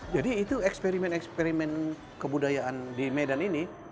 jadi itu eksperimen eksperimen kebudayaan di medan ini